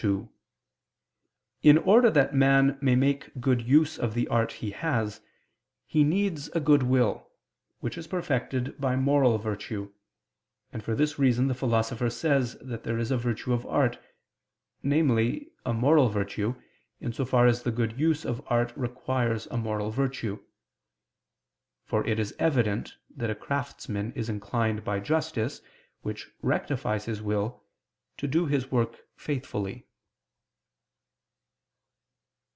2: In order that man may make good use of the art he has, he needs a good will, which is perfected by moral virtue; and for this reason the Philosopher says that there is a virtue of art; namely, a moral virtue, in so far as the good use of art requires a moral virtue. For it is evident that a craftsman is inclined by justice, which rectifies his will, to do his work faithfully.